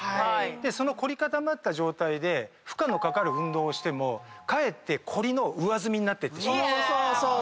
その凝り固まった状態で負荷のかかる運動をしてもかえって凝りの上積みになっていってしまうんです。